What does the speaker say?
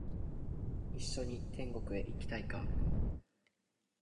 一緒に天国へ行きたいか？